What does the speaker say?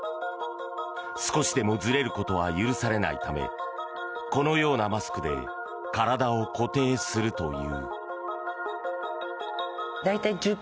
少しでもずれることは許されないためこのようなマスクで体を固定するという。